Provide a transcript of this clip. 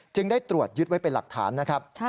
ได้ตรวจยึดไว้เป็นหลักฐานนะครับ